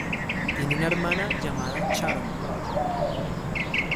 Tiene una hermana llamada Sharon.